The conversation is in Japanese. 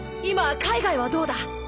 今海外はどうだ？